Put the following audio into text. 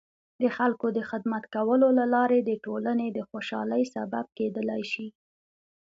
د خلکو د خدمت کولو له لارې د ټولنې د خوشحالۍ سبب کیدلای شي.